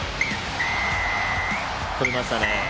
取れましたね。